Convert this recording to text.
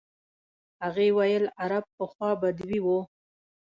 هغې ویل عرب پخوا بدوي وو.